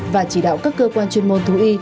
và chỉ đạo các cơ quan chuyên môn thú y